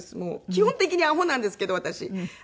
基本的にアホなんですけど私。